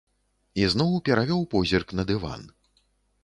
Ізноў перавёў позірк на дыван.